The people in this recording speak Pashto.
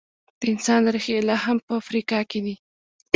د انسان ریښې لا هم په افریقا کې دي.